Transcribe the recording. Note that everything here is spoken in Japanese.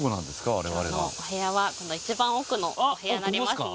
我々の今日のお部屋はこの一番奥のお部屋になりますね